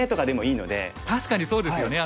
確かにそうですよね。